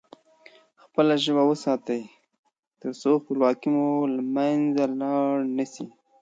خپله ژبه وساتئ ترڅو خپلواکي مو له منځه لاړ نه سي.